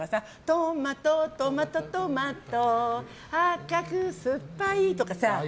トマト、トマト、トマト赤く酸っぱいとかさ。